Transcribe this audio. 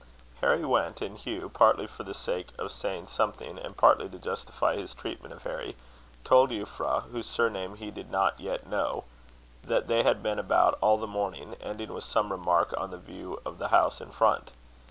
Harry went; and Hugh, partly for the sake of saying something, and partly to justify his treatment of Harry, told Euphra, whose surname he did not yet know, what they had been about all the morning, ending with some remark on the view of the house in front.